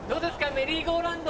メリーゴーラウンド！